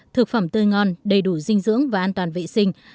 thực phẩm tươi ngon đầy đủ dinh dưỡng và an toàn vệ sinh